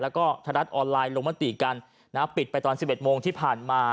แล้วก็ทรัฐออนไลน์ลงมติกันนะปิดไปตอน๑๑โมงที่ผ่านมา